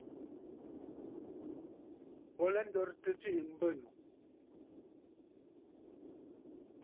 Bo lɛ ndoritə tsiʼi mbə̂nnù.